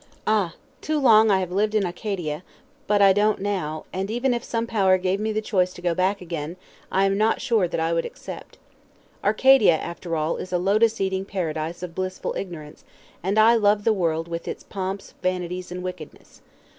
Ah! I too have lived in Arcadia, but I don't now: and even if some power gave me the choice to go back again, I am not sure that I would accept. Arcadia, after all, is a lotus eating Paradise of blissful ignorance, and I love the world with its pomps, vanities, and wickedness.